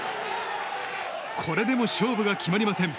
これでも勝負が決まりません。